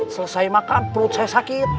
selesai makan perut saya sakit